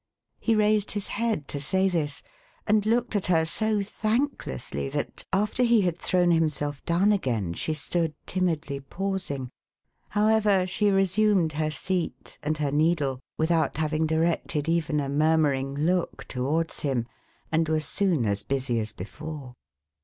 '1'1 He raised his head to say this, and looked at her so thanklessly, that, after he had thrown himself down again, she stood timidly pausing. However, she resumed her seat, and her needle, without having directed even a murmuring look towards him, and was soon as busy as before.